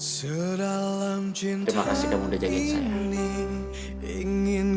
terima kasih kamu udah jagain saya